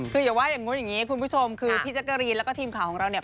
คืออย่าว่าอย่างนู้นอย่างนี้คุณผู้ชมคือพี่แจ๊กกะรีนแล้วก็ทีมข่าวของเราเนี่ย